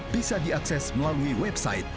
bisa diakses melalui website